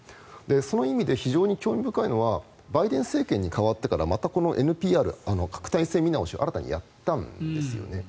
その意味で非常に興味深いのはバイデン政権に代わってからまたこのＮＰＲ核態勢見直しをまたやったんですよね。